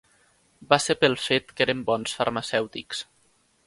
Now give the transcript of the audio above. Va ser pel fet que eren bons farmacèutics.